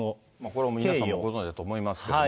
これは皆さんもご存じだと思いますけど。